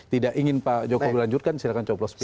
tidak ingin pak jokowi lanjutkan silakan coblos pilih